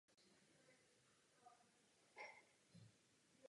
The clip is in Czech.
Vzal jej do Prahy a nechal vystudovat hru na violoncello na Pražské konzervatoři.